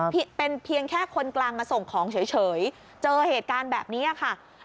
เพียงเป็นเพียงแค่คนกลางมาส่งของเฉยเจอเหตุการณ์แบบนี้ค่ะ